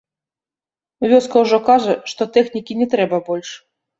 Вёска ўжо кажа, што тэхнікі не трэба больш.